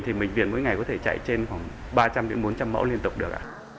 thì bệnh viện mỗi ngày có thể chạy trên khoảng ba trăm linh đến bốn trăm linh mẫu liên tục được ạ